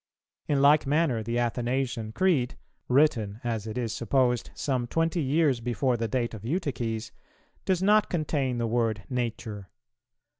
[301:3] In like manner, the Athanasian Creed, written, as it is supposed, some twenty years before the date of Eutyches, does not contain the word "nature."